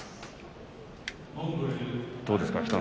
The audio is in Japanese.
どうですか？